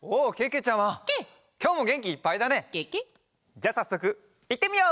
じゃあさっそくいってみよう！